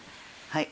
はい。